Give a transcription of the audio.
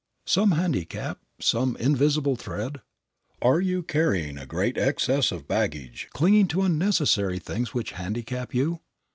Some handicap, some invisible thread? Are you carrying a great excess of baggage, clinging to unnecessary things which handicap you?